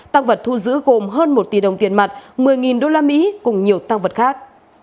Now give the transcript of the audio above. tăng vật thu giữ gồm hơn một tỷ đồng tiền mặt một mươi usd cùng nhiều tăng vật khác